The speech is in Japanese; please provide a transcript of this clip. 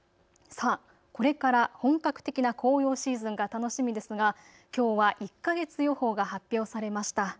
これから本格的な紅葉シーズンが楽しみですが、きょうは１か月予報が発表されました。